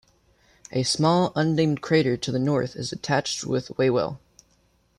A small unnamed crater to the north is attached with Whewell.